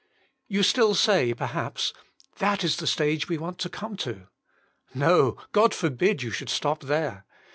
You still say perhaps :That is the stage we want to come to." No ; God forbid you should stop there.